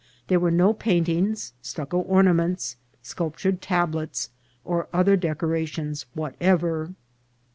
There were no paintings, stucco ornaments, sculptured tablets, or other decorations whatever.